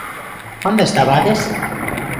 Onde estabades?